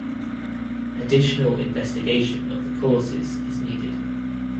Additional investigation of the cause(s) is needed.